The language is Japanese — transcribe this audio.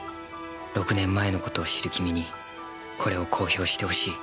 ６年前の事を知る君にこれを公表してほしい。